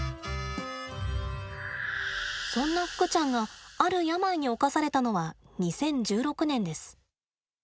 そんなふくちゃんがある病におかされたのは２０１６年です。